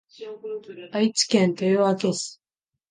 愛知県豊明市